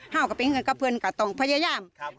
เฮ้ากะเป็นเงินกับเพื่อนกะต้องพยายามครับคุณยาย